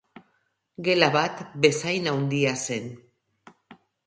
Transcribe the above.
Gela bat bezain handia zen.